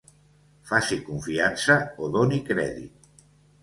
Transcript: Faci confiança o doni crèdit.